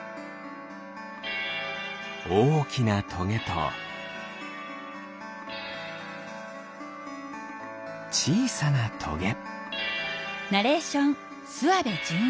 おおきなトゲとちいさなトゲ。